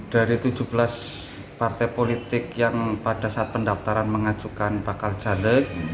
dari tujuh belas partai politik yang pada saat pendaftaran mengajukan bakal caleg